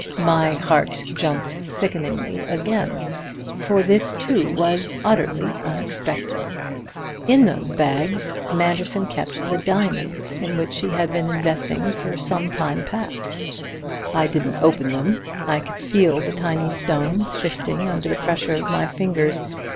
My heart jumped sickeningly again, for this too was utterly unexpected. In those bags Manderson kept the diamonds in which he had been investing for some time past. I didn't open them; I could feel the tiny stones shifting under the pressure of my fingers.